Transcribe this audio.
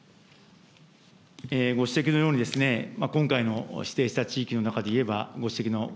ご指摘のように、今回の指定した地域の中で言えば、ご指摘のご